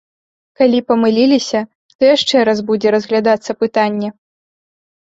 Калі памыліліся, то яшчэ раз будзе разглядацца пытанне.